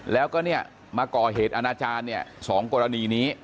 แล้วก็มาก่อเหตุอาณาจารย์๒กรณีนี้